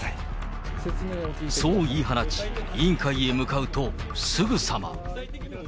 そう言い放ち、委員会へ向かうとすぐさま。